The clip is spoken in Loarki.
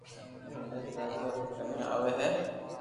دن ايڪ راجا او ڪني آوي ھي